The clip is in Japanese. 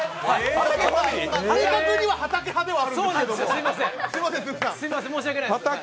正確には、はたけ派ではあるんですけど。